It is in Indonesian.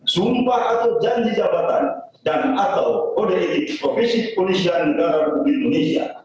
sumpah atau janji jabatan dan atau kode etik profesi kepolisian negara republik indonesia